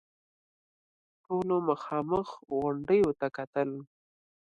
ټولو مخامخ غونډيو ته کتل.